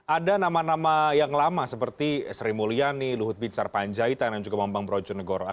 ada nama nama yang lama seperti srimulyani luhut bint sarpanjaitan dan juga mombang brojonegoro